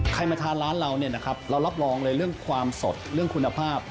ใครมาทานร้านเราเรารับรองเรื่องความสดเรื่องคุณภาพ